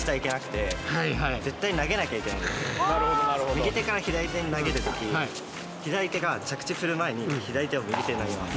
右手から左手に投げる時左手が左手を右手に投げます。